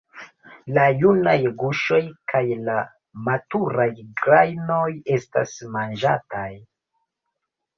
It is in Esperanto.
La junaj guŝoj kaj la maturaj grajnoj estas manĝataj.